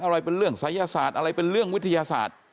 อะไรเป็นเรื่องศัยศาสตร์อะไรเป็นเรื่องวิทยาศาสตร์